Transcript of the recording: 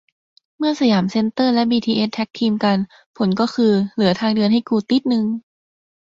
เมื่อสยามเซ็นเตอร์และบีทีเอสแท็คทีมกัน ผลก็คือ เหลือทางเดินให้กูติ๊ดนึง